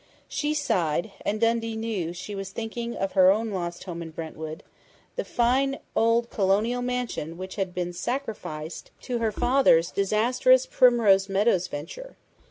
She sighed, and Dundee knew that she was thinking of her own lost home in Brentwood the fine old Colonial mansion which had been sacrificed to her father's disastrous Primrose Meadows venture.